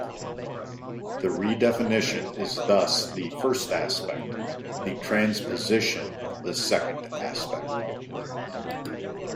The redefinition is thus the first aspect, the transposition the second aspect.